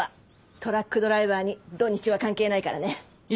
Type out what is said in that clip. トラックドライバーに土日は関係ないからね。